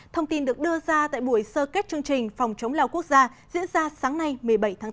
thông tin được đưa ra tại buổi sơ kết chương trình phòng chống lao quốc gia diễn ra sáng nay một mươi bảy tháng bốn